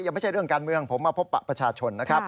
ไม่ใช่เรื่องการเมืองผมมาพบปะประชาชนนะครับ